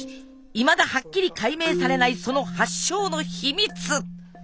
いまだはっきり解明されないその発祥の秘密！